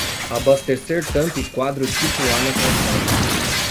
Abastecer tampa e quadro tipo A na calçada.